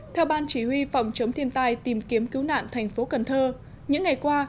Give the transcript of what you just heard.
theo ban chỉ huy phòng chống thiên tai tìm kiếm cứu nạn thành phố cần thơ những ngày qua